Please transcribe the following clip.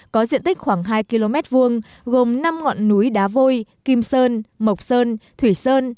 có diện tích khoảng hai km hai gồm năm ngọn núi đá vôi kim sơn mộc sơn thủy sơn